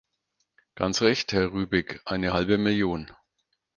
Ganz recht, Herr Rübig, eine halbe Million.